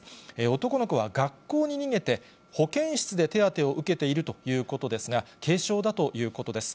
男の子は学校に逃げて、保健室で手当てを受けているということですが、軽傷だということです。